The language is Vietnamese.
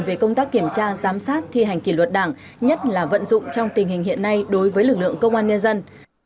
về công tác kiểm tra giám sát thi hành kỷ luật đảng nhất là vận dụng trong tình hình hiện nay đối với lực lượng công an nhân dân